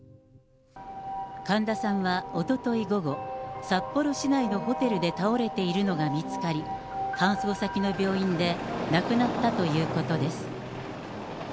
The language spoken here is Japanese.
神田さんはおととい午後、札幌市内のホテルで倒れているのが見つかり、搬送先の病院で亡くなったということです。